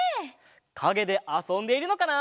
かげであそんでいるのかな？